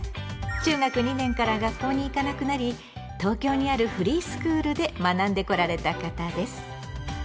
中学２年から学校に行かなくなり東京にあるフリースクールで学んでこられた方です。